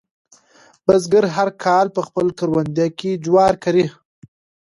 بزګر هر کال په خپل کروندې کې جوار کري.